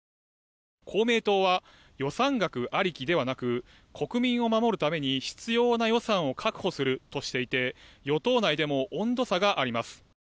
公明党は予算額ありきではなく国民を守るために必要な予算を確保するとしていて与党内でも温度差があります。